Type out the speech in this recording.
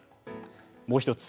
もう一つ。